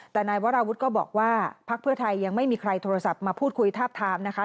แต่นายวราวุฒิก็บอกว่าพักเพื่อไทยยังไม่มีใครโทรศัพท์มาพูดคุยทาบทามนะคะ